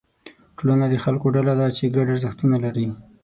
ټولنه د خلکو ډله ده چې ګډ ارزښتونه لري.